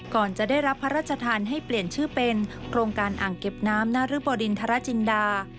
ก่อนจะได้รับพระราชทานให้เปลี่ยนชื่อเป็นโครงการอ่างเก็บน้ำนรึบดินทรจินดา